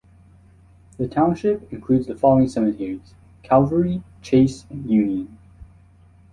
The township includes the following cemeteries: Calvary, Chase and Union.